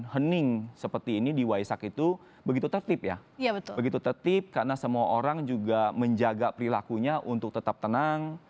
hening seperti ini di waisak itu begitu tertib ya iya begitu tertib karena semua orang juga menjaga perilakunya untuk tetap tenang